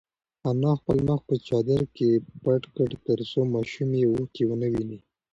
انا خپل مخ په چادر کې پټ کړ ترڅو ماشوم یې اوښکې ونه ویني.